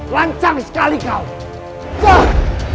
kau sangat lancar